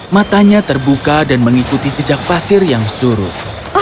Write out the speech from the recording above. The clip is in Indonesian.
matanya terbuka dan mengikuti jejak pasir yang surut